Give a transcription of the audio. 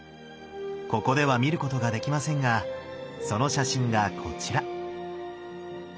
ここでは見ることができませんがその写真がこちら。